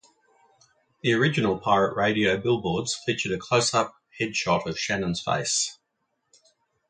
The original Pirate Radio billboards featured a close up head shot of Shannon's face.